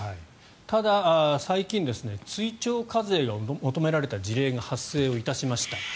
ただ、最近追徴課税が求められた事例が発生しました。